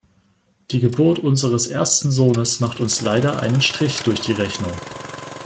Die Geburt unseres ersten Sohnes macht uns leider einen Strich durch die Rechnung.